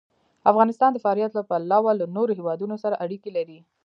افغانستان د فاریاب له پلوه له نورو هېوادونو سره اړیکې لري.